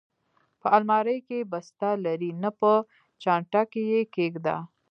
په المارۍ کې، بسته لرې؟ نه، په چانټه کې یې کېږده.